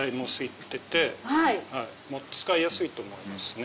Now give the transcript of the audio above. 使いやすいと思いますね。